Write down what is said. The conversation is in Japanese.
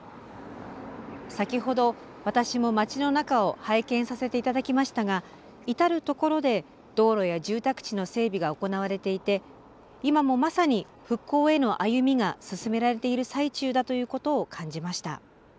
先ほど私も町の中を拝見させて頂きましたが至る所で道路や住宅地の整備が行われていて今もまさに復興への歩みが進められている最中だということを感じました。